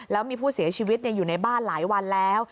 แล้วมีผู้เสียชีวิตอยู่ในบ้านหลายวันแล้ว